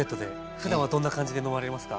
ふだんはどんな感じで飲まれますか？